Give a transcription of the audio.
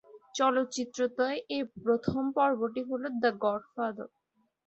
চলচ্চিত্র ত্রয় এর প্রথম পর্বটি হল, দ্য গডফাদার।